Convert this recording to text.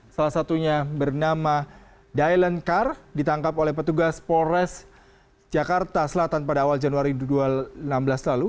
salah satunya bernama dailand car ditangkap oleh petugas polres jakarta selatan pada awal januari dua ribu enam belas lalu